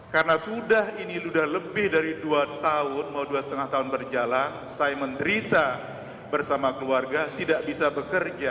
karena sudah ini sudah lebih dari dua tahun mau dua lima tahun berjalan saya menderita bersama keluarga tidak bisa bekerja